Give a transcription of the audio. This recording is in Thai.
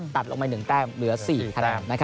ตัดลงไป๑แต้มเหลือ๔คะแนน